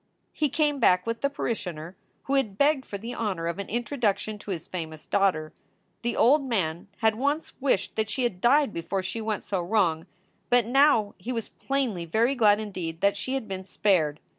He came back with the parishioner, who had begged for the honor of an introduction to his famous daughter. The old man had once wished that she had died before she went so wrong, but now he was plainly very glad indeed that she had been spared.